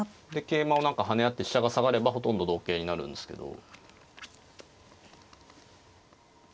桂馬を何か跳ね合って飛車が下がればほとんど同形になるんですけど。